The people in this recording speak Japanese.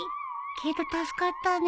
けど助かったね